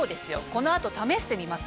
この後試してみます？